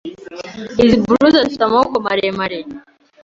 Izi blouses zifite amaboko maremare.